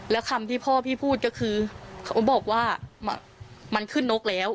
แล้วคำที่พ่อพี่พูดก็คือเขาบอกว่ามันขึ้นนกแล้ว